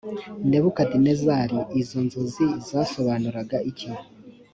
nebukadinezari izo nzozi zasobanuraga iki